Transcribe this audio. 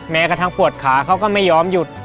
แม้กระทั่งปวดขาเขาก็ไม่ยอมหยุด